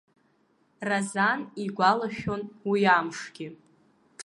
Разан игәалашәон уи амшгьы.